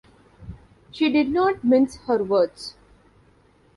She did not mince her words